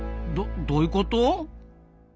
どどういうこと？